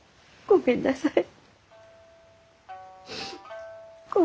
ごめんなさい。